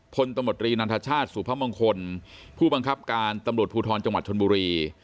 ตมตรีนันทชาติสุพมงคลผู้บังคับการตำรวจภูทรจังหวัดชนบุรี